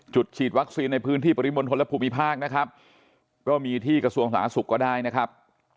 ฉีดวัคซีนในพื้นที่ปริมณฑลและภูมิภาคนะครับก็มีที่กระทรวงสาธารณสุขก็ได้นะครับ